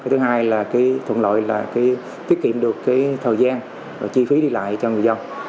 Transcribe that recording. thứ hai là thuận lợi tiết kiệm được thời gian và chi phí đi lại cho người dân